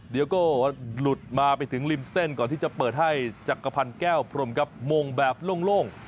เดี๋ยวก็หลุดมาไปถึงริมเส้นก่อนที่จะเปิดให้จักรพันธ์แก้วพรมครับมงแบบโล่ง